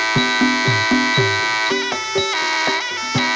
โชว์ที่สุดท้าย